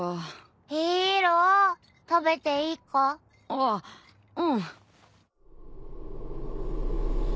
あっうん。